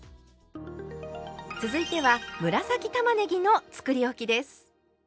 続いては紫たまねぎのつくりおきです。